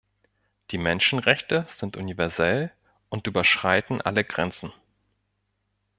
Die Menschenrechte sind universell und überschreiten alle Grenzen.